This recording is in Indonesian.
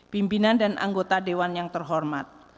pimpinan dan anggota dewan yang terhormat